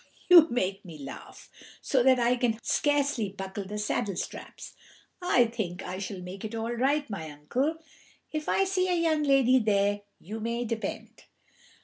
you make me laugh so that I can scarcely buckle the saddle straps. I think I shall make it all right, my uncle, if I see a young lady there, you may depend."